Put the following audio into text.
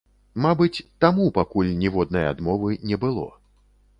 Мабыць, таму пакуль ніводнай адмовы не было.